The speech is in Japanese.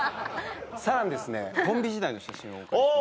さらにコンビ時代の写真をお借りしました。